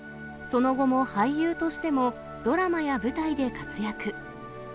その後も俳優としてもドラマや舞台で活躍。